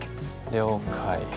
了解